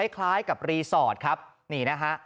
คล้ายกับรีสอร์ทครับนี่นะฮะ